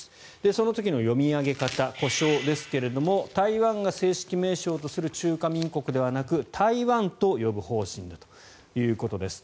その時の読み上げ方呼称ですが台湾が正式名称とする中華民国ではなく台湾と呼ぶ方針だということです。